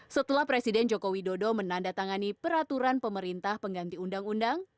setelah presiden joko widodo menandatangani peraturan pemerintah pengganti undang undang